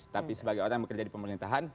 tapi sebagai orang yang bekerja di pemerintahan